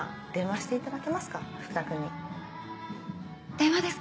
電話ですか？